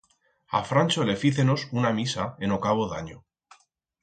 A Francho le fícenos una misa en o cabo d'anyo.